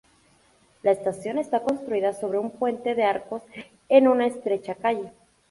La estación está construida sobre un puente de arcos, en una estrecha calle.